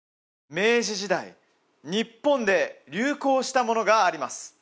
明治時代日本で流行したものがあります